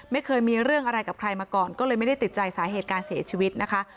ไม่เคยมีเรื่องอะไรกับใครมาก่อนก็เลยไม่ได้ติดใจสาเหตุการเสียชีวิตนะคะ